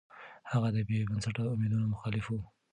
هغه د بې بنسټه اميدونو مخالف و.